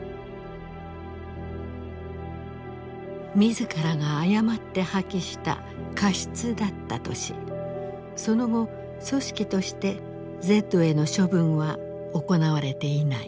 自らが誤って破棄した過失だったとしその後組織としてＺへの処分は行われていない。